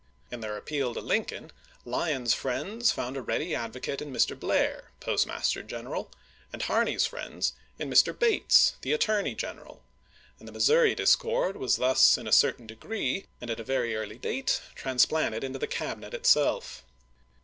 In their appeal to Lincoln, Lyon's friends found a ready advocate in Mr. Blair, Postmaster Greneral, and Harney's friends in Mr. Bates, the Attorney Greneral ; and the Mis souri discord was thus in a certain degree, and at a very early date, transplanted into the Cabinet itself.